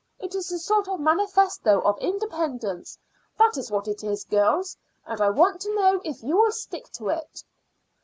It is a sort of Manifesto of Independence, that is what it is, girls, and I want to know if you will stick to it."